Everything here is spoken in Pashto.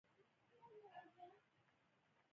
هر انسان حق لري چې خپل حق دفاع وکي